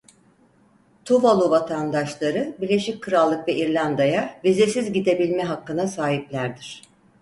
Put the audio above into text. Tuvalu vatandaşları Birleşik Krallık ve İrlanda'ya vizesiz gidebilme hakkına sahiplerdir.